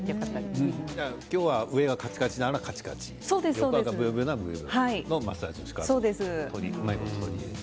今日は上がカチカチならカチカチ横がブヨブヨならブヨブヨのマッサージのしかたをすると。